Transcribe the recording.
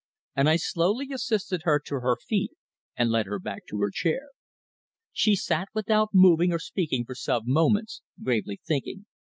And I slowly assisted her to her feet and led her back to her chair. She sat without moving or speaking for some moments, gravely thinking.